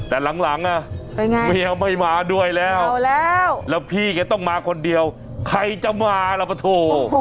แต่หลังเมียไม่มาด้วยแล้วแล้วพี่แกต้องมาคนเดียวใครจะมาล่ะปะโถ